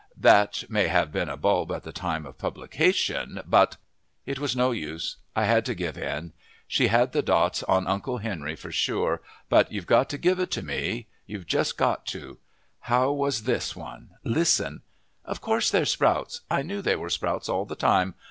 That may have been a bulb at the time of publication, but " It was no use. I had to give in. She had the dots on Uncle Henry for sure, but you've got to give it to me you've just got to. How was this one? Listen: "Of course they're sprouts. I knew they were sprouts all the time.